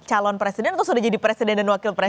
calon presiden atau sudah jadi presiden dan wakil presiden